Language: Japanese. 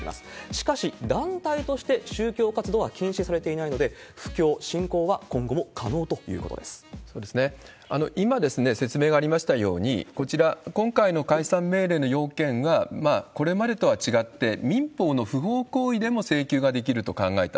しかし、団体として宗教活動は禁止されていないので、布教、今、説明がありましたように、こちら、今回の解散命令の要件は、これまでとは違って、民法の不法行為でも請求ができると考えた。